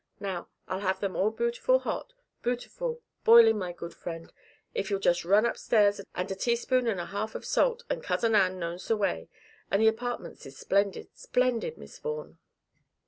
Now I'll have them all bootiful hot, bootiful, boiling my good friend, if you'll just run upstairs, and a teaspoon and a half of salt, and Cousin Ann knows the way, and the apartments is splendid, splendid, Miss Vaughan!"